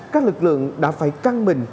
các lực lượng đã phải căng mình